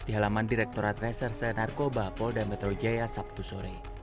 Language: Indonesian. di halaman direkturat reserse narkoba polda metro jaya sabtu sore